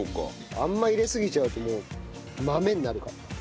あんま入れすぎちゃうともう豆になるから。